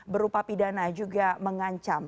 berupa pidana juga mengancam